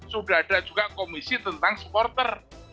sudah ada juga komisi tentang supporter